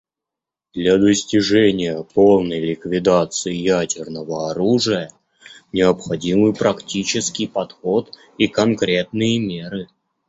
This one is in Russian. Для достижения полной ликвидации ядерного оружия необходимы практический подход и конкретные меры.